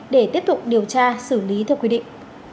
để tiếp tục điều tra xử lý theo quy định